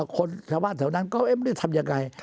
คนชาวบ้านแถวนั้นก็ไม่ได้ทำยังไง